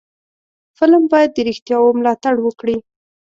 فلم باید د رښتیاو ملاتړ وکړي